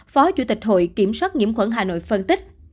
phó chủ tịch hội kiểm soát nhiễm khuẩn hà nội phân tích